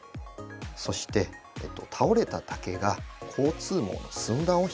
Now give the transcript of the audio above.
そして倒れた竹が交通網の寸断を引き起こす。